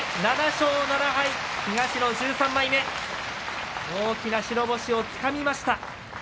７勝７敗、東の１３枚目大きな白星をつかみました。